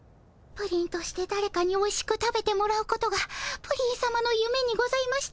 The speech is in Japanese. プリンとしてだれかにおいしく食べてもらうことがプリンさまのゆめにございましたよね。